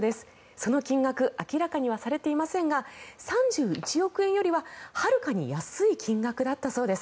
その金額明らかにはされていませんが３１億円よりは、はるかに安い金額だったそうです。